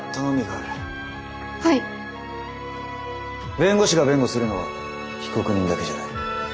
弁護士が弁護するのは被告人だけじゃない。